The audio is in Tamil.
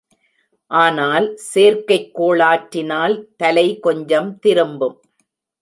ஆனால் சேர்க்கைக் கோளாற்றினால் தலை கொஞ்சம் திரும்பும்.